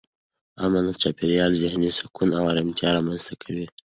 امن چاپېریال ذهني سکون او ارامتیا رامنځته کوي.